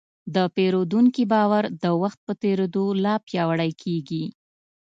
د پیرودونکي باور د وخت په تېرېدو لا پیاوړی کېږي.